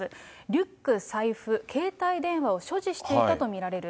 リュック、財布、携帯電話を所持していたと見られる。